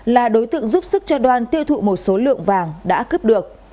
là đối tượng giúp sức cho đoan tiêu thụ một số lượng vàng đã cướp được